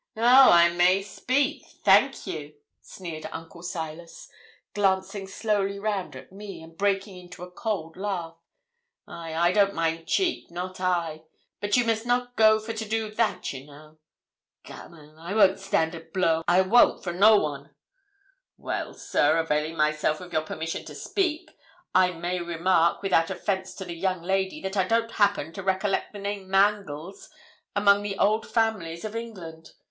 'Oh, I may speak? Thank you,' sneered Uncle Silas, glancing slowly round at me, and breaking into a cold laugh. 'Ay, I don't mind cheek, not I; but you must not go for to do that, ye know. Gammon. I won't stand a blow I won't fro no one.' 'Well, sir, availing myself of your permission to speak, I may remark, without offence to the young lady, that I don't happen to recollect the name Mangles among the old families of England.